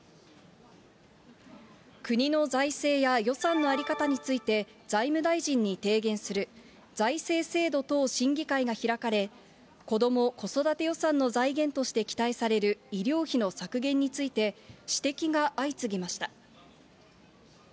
国の財政や予算の在り方について、財務大臣に提言する、財政制度等審議会が開かれ、子ども・子育て予算の財源として期待される医療費の削減について、指摘が相次ぎました。